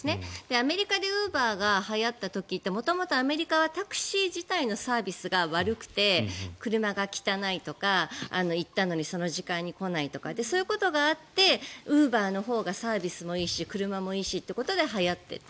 アメリカでウーバーがはやった時って元々アメリカはタクシー自体のサービスが悪くて車が汚いとか行ったのにその時間に来ないとかそういうことがあってウーバーのほうがサービスもいいし車もいいしということではやっていった。